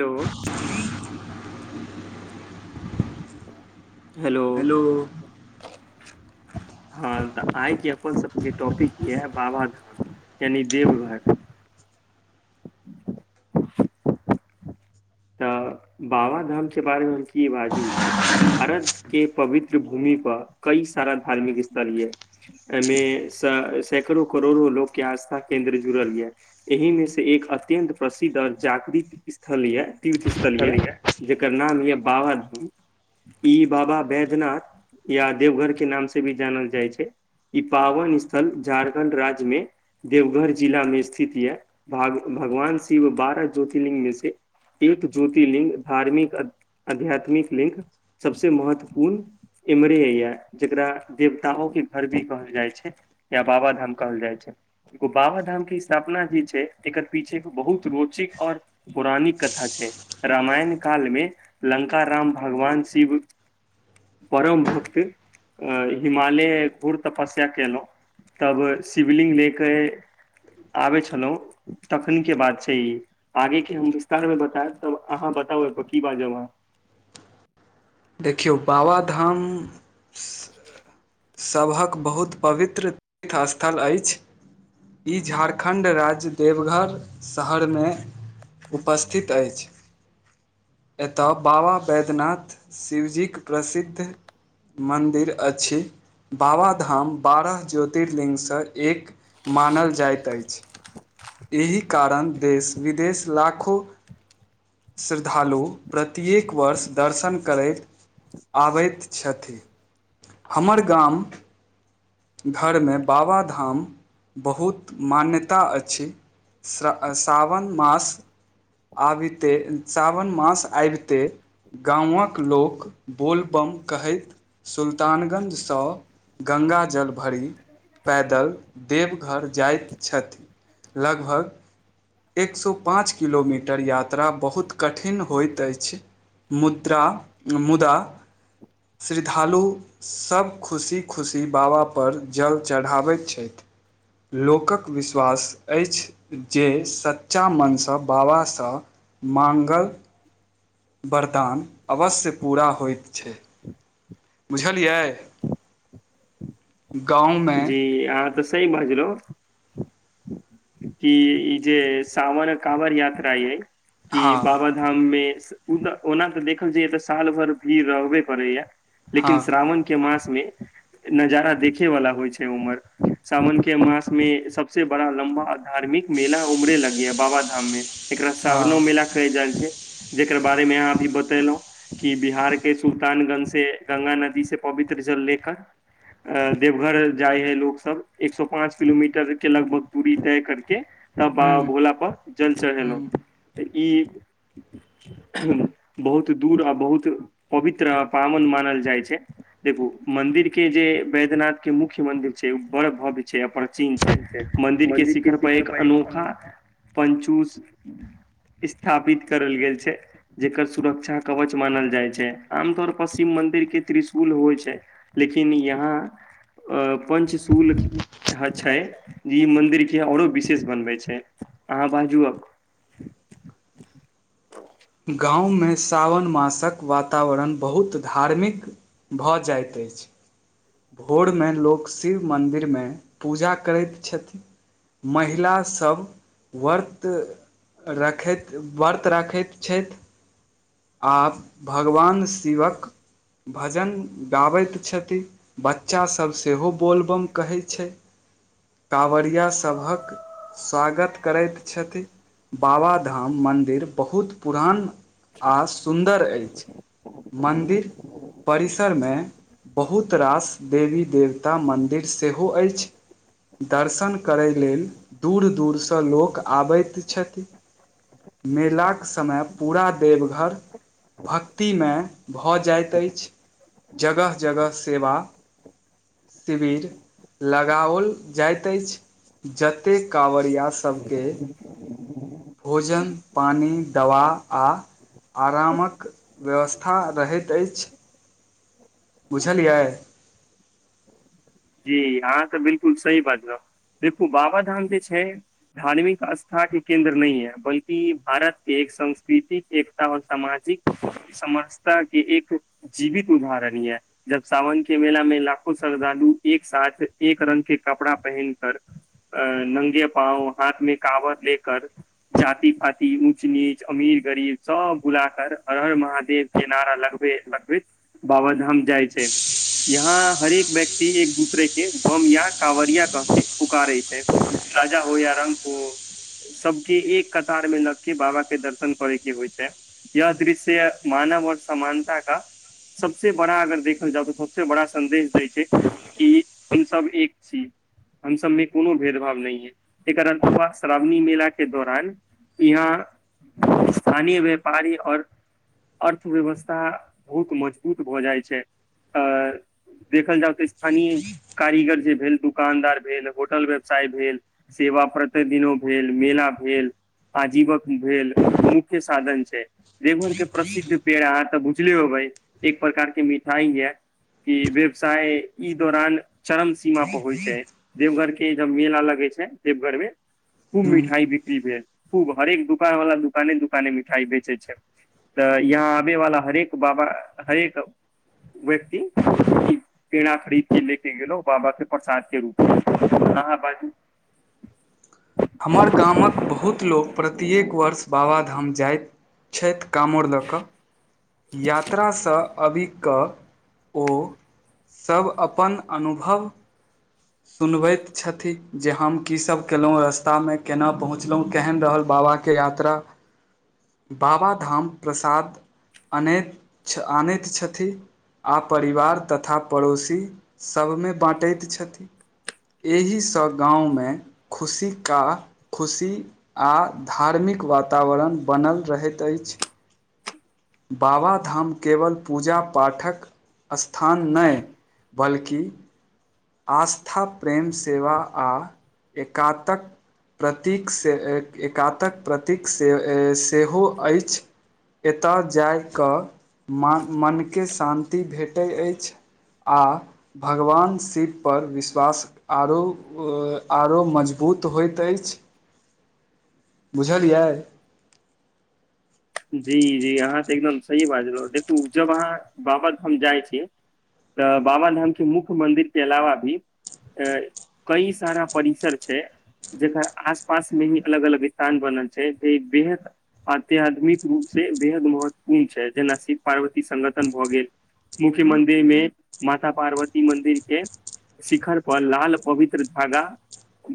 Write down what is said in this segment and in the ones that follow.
hello hello hello हां तऽ आइके अपन सभ के टॉपिक यए बाबाधाम यानि देवघर तऽ बाबा धाम के बारे में हम की बाजू भारत के पवित्र भूमि पर कई सारा धार्मिक स्थल य एहि में सैकड़ो करोड़ो लोक के आस्था केंन्द्र जुड़ल यऽ एहि में से एक अत्यंत प्रसिद्ध ओर जागृत स्थल यऽ तीर्थ स्थल ये जेकर नाम य बाबाधाम ई बाबा बैद्यनाथ या देवघर के नाम से भी जानल जाइ छै ई पावन स्थल झारखंड राज्य में देवघर जिला में स्थित यऽ भाग भगवान शिव बारह ज्योतिर्लिंग में से एक ज्योतिर्लिङंग धार्मिक आध्यात्मिक लिंग सबसे महत्वपूर्ण इम्हरे ये जेकरा देवताहं के घर भी कहल जाय छै या बाबा धाम कहल जाय छै एगो बाबा धाम के स्थापना जे छै एकर पीछे बहुत रोचिक और पौराणिक कथा छै रामायण काल में लंका राम भगवान शिव परम भक्ति अऽ हिमालय घूर तपस्या केलै तब शिवलिंग लेए के आबे छलहुँ तखन के बात छै ई आगे के हम अहाँ बताउ की ब जाउ वहाँ देखियौ बाबा धाम [inaudible] सबहक बहुत पवित्र तीर्थ स्थल अछि ई झारखंड राज्य देवघर शहर में उपस्थित अछि एतय बाबा वैद्यनाथ शिवजी के प्रसिद्ध मन्दिर अछि बाबा धाम बारह ज्योतिर्लिङंग सँ एक मानल जाइत अछि एहि कारण देश विदेश लाखो श्रद्धालु प्रत्येएक वर्ष दर्शन कहु करैत आबैत छथि हमर गाम घर में बाबा धाम बहुत मान्यता अछि श्र सावन मास आबिते सावन मास आबिते गामक लोक बोलबम कहैत सुल्तानगंज सँ गंगाजल भरी पैदल देवघर जाइत छैथ लगभग एक सए पाँच किलोमीटर यात्रा बहुत कठिन होइत अछि मुद्रा मुदा श्रिद्धालु सभ खुशी खुशी बाबा पर जल चढ़ाबैत छथि लोकक विश्वास अछि जे सऽ सच्चा मन सँ बाबा सँ माँगल वरदान अवश्य पूरा होइत छै बुझलियै गाँव में जी अहाँ तऽ सही बजलऔ कि ई जे सावन काँवर यात्रा यै कि हँ बाबा धाम में ओ तऽ ओना तऽ देखल जा तऽ साल भर भीड़ रहबे करैया लेकिन हँ श्रावन के मास में नजारा देखे वाला होइ छै ह उमरे सावन के मास में सबसे बड़ा लम्बा धार्मिक मेला उमरे लगै है बाबा बाबा धाम में एकरा हँ सावनो मेला कलह जाई छै जकर बारे मे अहाँ अभी बतेलहुं कि बिहार के सुल्तानगंज से ग्ंगा नदी से पवित्र जल लेकर देवघर जाइ है लोग सब एक सए पाँच किलोमीटर के लगभग दूरी तय करके तब बाबा ह्म भोला पर जल चढ़ेलहुं ह्म तऽ ई बहुत दूर आ बहुत पवित्र आ पावन मानल जाइ छै देखू मंदिर के जे वैद्यनाथ के मुख्य मंदिर छै ओ बड़ भव्य छै अपन चिन्ह छै मन्दिर के शिखर पर एक अनोखा पञ्चुस स्थापित करल गेल छै जेकर सुरक्षा कवच मानल जाइ छै आमतौर प शिव म मन्दिर के त्रिशुल होइ छै लेकिन यहाँ पंचशूल छै ज मंदिर के औरो विशेष बनवे छै अहाँ बाजू अब गाममे सावन मासक वातावरण बहुत धार्मिक भऽ जाइत अछि भोरमे लोक शिव मन्दिरमे पूजा करैत छथि महिलासभ व्रत रखैत व्रत रखैत छैथ आ भगवान शिवक भजन गाबैत छथि बच्चासभ सेहो बोलबम कहै छै काँवड़िया सभक स्वागत करैत छथि बाबाधाम मन्दिर बहुत पुरान आ सुन्दर अछि मन्दिर परिसरमे बहुत रास देवी देवता मन्दिर सेहो अछि दर्शन करय लेल दूर दूरसँ लोक आबैत छथि मेलाक समय पूरा देवघर भक्तिमय भऽ जाइत अछि जगह जगह सेवा [inaudible] शिविर लगाओल जाइत अछि जतेक काँवरियासभके भोजन पानि दवा आ आरामक व्यवस्था रहैत अछि बुझलियै जी हँं त बिलकुल सही बजलै देखू बाबा धाम जे छै धार्मिक सस्था के केंन्द्र नहि है बल्कि भारतके एक सांस्कृतिक एकता आऔर सामाजिक समसता के एक जीवित उदाहरण य है जब सावन के मेला मे लाखो श्रद्धालु एक साथ एक रंग के कपड़ा पहन कर अ नंगे पाँं हाथ में कावर लेकर जाति पाति ऊँच नीच अमीर गरीब सब भुला कर हरहर महादेव किनारा लगबै लगबैत बाबाधाम जाइ छै यहाँ हरेक व्यक्ति एक दूसरे के बम या काँवरिया कके पुकारे छै राजा हो या रंक हो सबके एक कतार मे लग के बाबा के दर्शन करे के होइ छै यह दृश्य मान व और समानता का सबस बड़ा अगर देखल जाउ तऽ सबस बड़ा सदेश दै छै कि हमसभ एक छी हम सभमे कोनो भेदभाव नहि है एकणत श्रावणी मेला के दौरान यहाँ स्थानीय व्यापारी और अर्थव्यवस्था बहुत मजबूत भऽ जाइ छै अ देखल जा स्थानीय कारीगर जे भेल दुकानदार भेल होटल व्यवसाय भेल सेवा प्रतिदिन द भेल मेला भेल आजीवक भेल मुख्य साधन छै देवघर के प्रसिद्ध पेड़ अहाँ तऽ भुजले होबे एक प्रकारके मिठाई है कि व्यवसाय ई दौरान चरम सीमा पर होइ छै देवघर के जब मेला लगे छै देवघर मे खूब हूँ मिठाइ बिक्री भेल खूब हरेक दुकान वाला दुकाने दुकाने मिठाइ बेचै छै तऽ यहाँ आबे वाला हरेक बाबा हरेक व्यक्ति पेड़ा खरीद के लेके गेलो बाबा के प्रसाद के रूपमे आँहा बाजू [inaudible] हमर गामक बहुत लोक प्रत्येक वर्ष बाबाधाम जाइत छथि काँवर लऽ कऽ यात्रासँ अबि कऽ ओ सभ अपन अनुभव सुनबैत छथि जे हम कीसभ केलहुँ रस्तामे केना पहुँचलहुँ केहन रहल बात बाबा के यात्रा बाबा धाम प्रसाद अनैत आनैत छथि आ परिवार तथा पड़ोसी सभमे बाँटैत छथि [inaudible] एहिसँ गाँवमे खुशी का खुशी आ धार्मिक व वातावरण बनल रहैत अछि बाबाधाम केवल पूजा पाठक स्थान नहि बल्कि आस्था प्रेम सेवा आ एकातक प्रतीक से एकातक प्रतीक से सेहो अछि एतय जाय कऽ मा मनके शान्ति भेटैत अछि आ भगवान शिव पर विश्वास आरो मजबूत होइत अछि बुझलियै जी जी अहाँ तऽ एकदम सही बाजलउ देखू जब अहाँ बाबा धाम जाइ छी तऽ बाबाधाम के मुख्य मंन्दिर के अलावा भी अ कई सारा परिसर छै जेकर आस पास मे ही अलग अलग स्थान बनल छै जे बेहद अत्य आदमी रूप से बेहद महत्वपूर्ण छै जेना शिव पार्वती सगठन भऽ गेल मुख्य मन्दिर मे माता पार्वती मन्दिर के शिखर पर लाल पवित्र धागा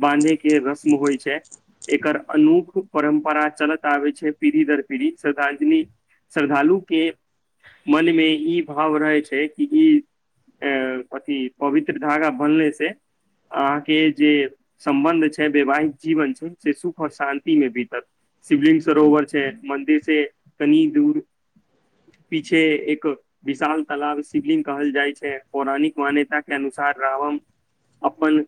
बानधे के रस्म होइ छै एकर अनोूख परम्परा चलत आबे छै पीढ़ी दर पीढ़ी श्रद्धांजलि श्रद्धालु के मनमे ई भाव रहै छै कि ई अ अथि पवित्र धागा बनहले से अहाँके जे सम्बन्ध छै वैवाहिक जीवन छै से सुख आऔर शान्ति मे बीतत शिवलिंग सरोवर छै मन्दिर छै कनी दूर पीछे एक विशाल तालब शिवलिंग कहल जाइ छै पौराणिक मान्यता के अनुसार आ रावम अपन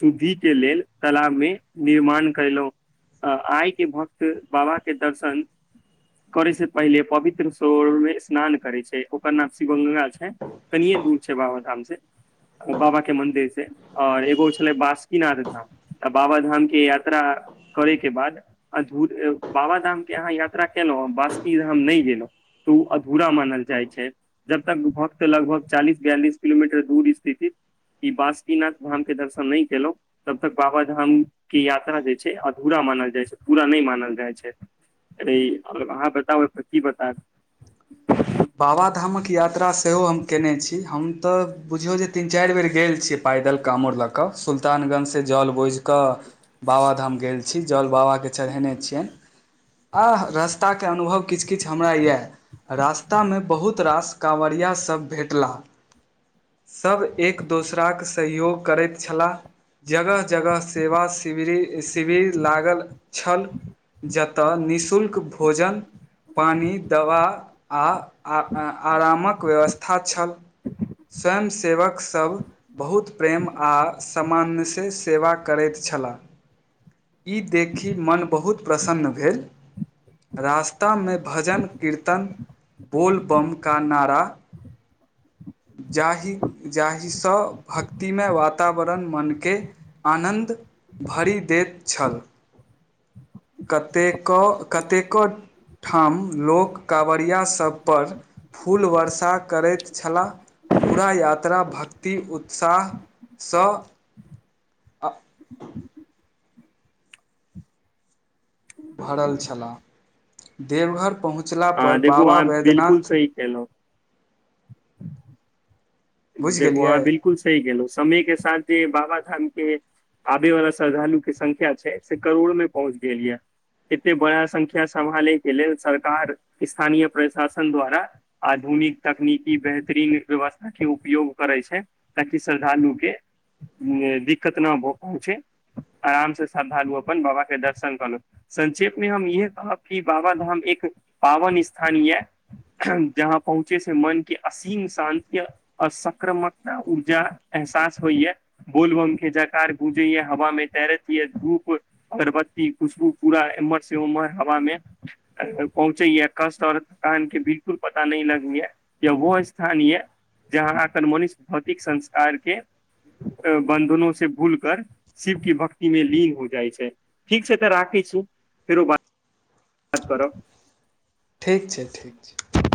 शुद्धिके लेल तलाबमे निर्माण कयेलहुँ अ आइ के भक्त बाबाके दर्शन करै से पहिले पवित्र सौरव मे रस्नान करै छै ओकर नाम शिवगंगा छै कनिए दूर छै बाबाधाम से बाबा के मंदिर से और एगो छलै बासुकीनाथ धाम तऽ बाबा धाम के यात्रा करे के बाद आधुर बाबा के अहाँ यात्रा केलहुॅं बासुकी धाम नहि गेलहुँ तऽ ओ अधूरा मानल जाइ छै जब तक भक्त लगभग चालीस बियालिस किलोमीटर दूर स्थिति ई बासुकीनाथ धाम के दर्शन नहि केलहुं तब तक बाबा धाम के यात्रा जे छै अधूरा मानल जाइ छै पूरा नहि मानल जाइ छै अरे आहाँ बताबै की बताब बाबाधामक यात्रा सेहो हम कयने छी हम तऽ बुझियौ जे तीन चारि बेर गेल छीयै प पैदल कामर लऽ कऽ सुल्तानगंज से जल बोझ क बाबाधाम गेल छी जल बाबाके चढ़ेने छियन आ रास्ताके अनुभव किछ किछ हमरा यऽ रास खातामे बहुत रास काँवरियभ भेटलाह सब एक दोसराके सहयोग करैत छलाह जगह जगह सेवा शिविर शिविर लागल छल जतय निःशुल्क भोजन पानी दवा आ आ आरामक व्यवस्था छल स्वयं सेवकसब बहुत प्रेम आ सामान्यस सेवा करैत छला ई देखि मन बहुत प्रसन्न भेल रास्तामें भजन कीर्तन बोलबम का नारा जाहि जाहिसँ भक्तिमय वातावरण मनके आनन्द भरि दैत छल कतेकेक कतेकेक ठाम लोक काँवड़िया सबपर फूल वर्षा करैत छलाह पूरा यात्रा भक्ति उत्साहसँ अ भरल छलाह देवघर पहुँचलापर देखू बाबा अहाँ बिल्कुल वैद्यनाथ सही केलहुँ बुझि देखु गेलिए अहाँ बिल्कुल सही गेलहु समय के साथ जे बाबा धाम के आबे वाला श्रद्धालु के संख्या छै से करोड़ में पहुँच गेल ये एते बड़ा संख्या सम्भाले के लेल सरकार स्थानीय प्रशासन द्वारा आधु तकनीक तकनीकी बेहतरीन व्यवस्था के उपयोग करै छै ताकि श्रद्धालु के दिक्कत नहि भ पाबै छै आराम से श्रद्धालु अपन बाबा के दर्शन कर लू संक्षेप में हम य कह कि बाबा धाम एक पावन स्थान य जहाँ पहुँचे से मन के असीम शान्तिय असक्रामकता ऊर्जा एहसास होइयै बोलबम के जकार गूजैै हवा मे तैरती है धूप अगरबत्ती खुशबू पूरा एम्हर उमहर से हवा मे पहुँचे यै कष्ट और थकान के बिल्कुल पता नी लगै है य वो स्थान ये जाँहा अखन मनिष्य भौतिक संस्कारके बन्धनो से भूल कर शिव की भक्ति मे लींग हो जाइ छै ठीक छै तऽ राखै छी फिर ओ बात बात करब ठीक छै ठीक छै